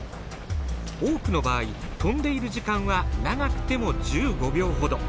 多くの場合飛んでいる時間は長くても１５秒ほど。